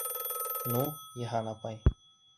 Ну, Йыһан апай!